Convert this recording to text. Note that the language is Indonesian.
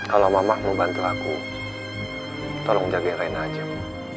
kalau mamah mau bantu aku tolong jaga kain hajam